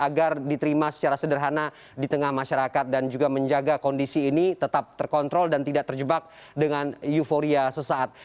agar diterima secara sederhana di tengah masyarakat dan juga menjaga kondisi ini tetap terkontrol dan tidak terjebak dengan euforia sesaat